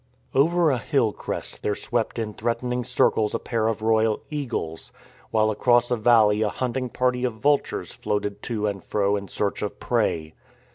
Over a hill crest there swept in threatening circles 122 THE FORWARD TRI; AD a pair of royal eagles, while across a valley a hunting party of vultures floated to and fro in search of prey.